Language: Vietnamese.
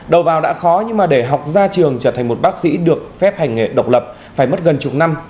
đầu vào đã khó nhưng mà để học ra trường trở thành một bác sĩ được phép hành nghề độc lập phải mất gần chục năm